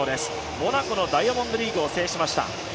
モナコのダイヤモンドリーグを制しました。